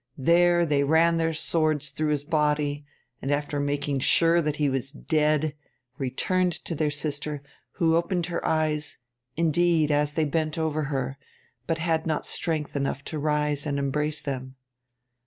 There they ran their swords through his body, and, after making sure that he was dead, returned to their sister, who opened her eyes, indeed, as they bent over her, but had not strength enough to rise and embrace them.